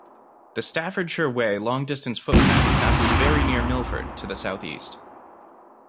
The Staffordshire Way long-distance footpath passes very near Milford, to the south-east.